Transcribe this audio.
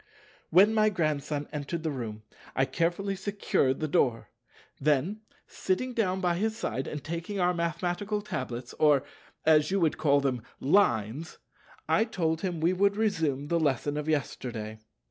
When my Grandson entered the room I carefully secured the door. Then, sitting down by his side and taking our mathematical tablets,—or, as you would call them, Lines—I told him we would resume the lesson of yesterday.